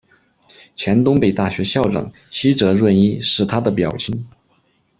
前东北大学校长西泽润一是他的表亲。